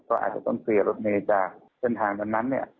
ก็อาจจะต้องเคลียร์รถเมลมีจากเส้นทางทั้งนั้น